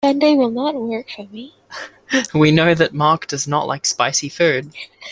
We know that Mark does not like spicy food.